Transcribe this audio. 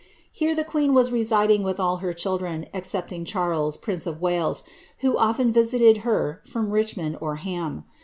Ilere the queen was residing with all her children excepting Charles, prince of Wales, who often visited her from Richmond or Ham.